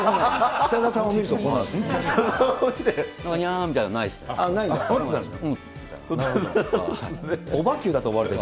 北澤さんを見るとこうなる？